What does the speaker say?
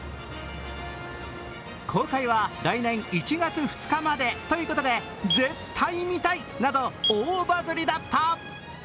公開は来年１月２日までということで、絶対見たいなど大バズりだった。